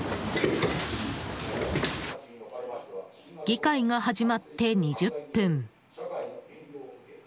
議会が始まって２０分。